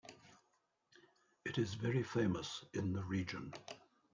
It is very famous in the region.